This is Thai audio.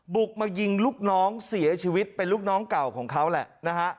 บุกมายิงลูกน้องเสียชีวิตเป็นลูกน้องเก่าของเขาแหละนะฮะ